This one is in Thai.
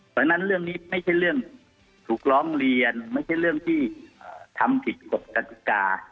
เพราะฉะนั้นเรื่องนี้ไม่ใช่เรื่องถูกร้องเรียนไม่ใช่เรื่องที่ทำผิดกฎกติกา